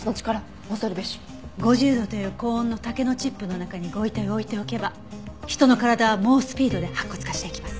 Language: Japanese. ５０度という高温の竹のチップの中にご遺体を置いておけば人の体は猛スピードで白骨化していきます。